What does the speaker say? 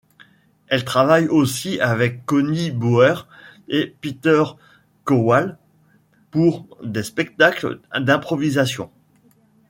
Elle travaille aussi avec Conny Bauer et Peter Kowald pour des spectacles d'improvisation.